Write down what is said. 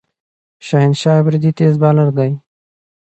شاهین شاه آفريدي تېز بالر دئ.